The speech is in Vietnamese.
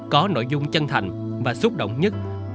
có nội dung chân thành và xúc động nhất